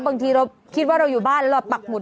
บางทีเราคิดว่าเราอยู่บ้านแล้วเราปักหุด